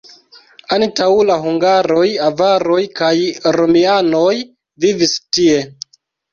Antaŭ la hungaroj avaroj kaj romianoj vivis tie.